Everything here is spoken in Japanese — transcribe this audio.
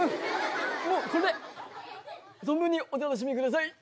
もうこれで存分にお楽しみください！